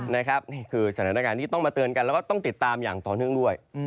นี่คือสถานการณ์ที่ต้องมาเตือนกันแล้วก็ต้องติดตามอย่างต่อเนื่องด้วย